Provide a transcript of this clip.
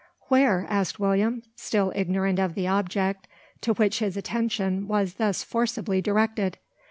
"Where?" asked William, still ignorant of the object to which his attention was thus forcibly directed.